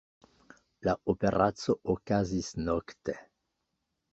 La operaco okazis nokte.